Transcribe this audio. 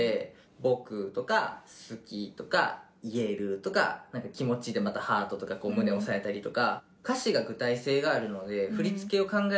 僕とか、好きとか、言えるとか気持ちでまたハートとか胸押さえたりとか。